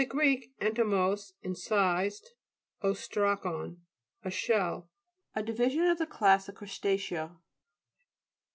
gr. ento mos, incised, ostrakon, a shell. A division of the class of crust a'cea.